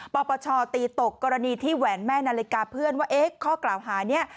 ปปชตีตกกรณีที่แหวนแม่นาฬิกาเพื่อนว่าเอ๊ะข้อกล่าวหานี้